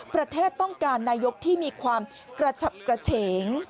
ประเทศต้องการนายกรัฐมนตรีที่มีความกระเฉง